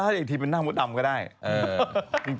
เอาให้เป็นพุ่กกับนาเดช